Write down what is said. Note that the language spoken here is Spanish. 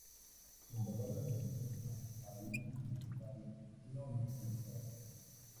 Zumbador de advertencia para luces principales no desconectadas.